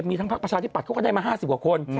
มีทั้งพักประชาธิบัตย์เขาก็ได้มา๕๐กว่าคน